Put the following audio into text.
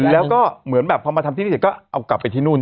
ละก็เหมือนพอมาทำที่นี่เสีย